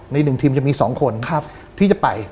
ในหนึ่งทีมจะมีสองคนที่จะไป